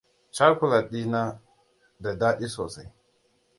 Cakulat din na da dadi sosai.